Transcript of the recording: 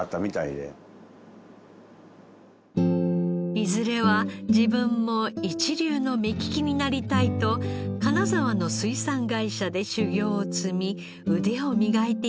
いずれは自分も一流の目利きになりたいと金沢の水産会社で修業を積み腕を磨いていた矢先。